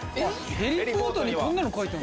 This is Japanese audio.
ヘリポートこんなの書いてある。